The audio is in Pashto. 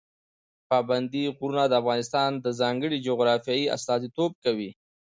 پابندي غرونه د افغانستان د ځانګړې جغرافیې استازیتوب کوي.